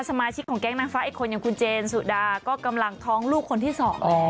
ทุกหมายอาชีพแรงงางฟ้าไอ้คนอย่างคุณเจนสุดาก็กำลังท้องลูกคนที่สองแล้ว